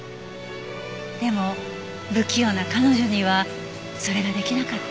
でも不器用な彼女にはそれができなかった。